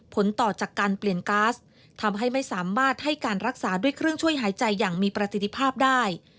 ผลต่อจากการเปลี่ยนก๊าซทำให้ไม่สามารถให้การรักษาด้วยเครื่องช่วยหายใจอย่างมีประสิทธิภาพได้